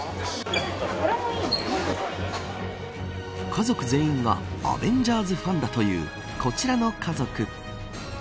家族全員がアベンジャーズファンだというこちらの家族。